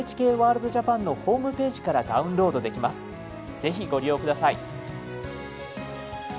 ぜひご利用下さい。